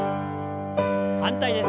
反対です。